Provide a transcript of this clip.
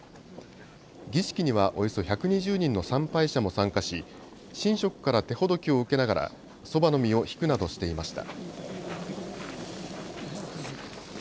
儀式には、およそ１２０人の参拝者も参加し、神職から手ほどきを受けながらそばの実をひくなどしていました。